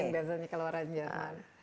biasanya keluar dari jerman